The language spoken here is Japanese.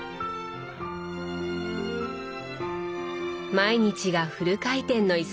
毎日がフル回転の忙しさ。